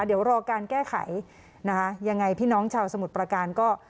เดี๋ยวรอการแก้ไขนะคะยังไงพี่น้องชาวสมุทรประการก็